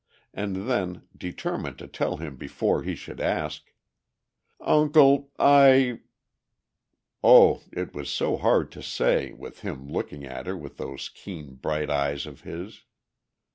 And then, determined to tell him before he should ask, "Uncle, I...." Oh, it was so hard to say with him looking at her with those keen, bright eyes of his!